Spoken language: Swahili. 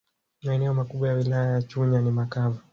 Maeneo makubwa ya Wilaya ya Chunya ni makavu